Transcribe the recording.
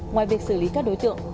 ngoài việc xử lý các đối tượng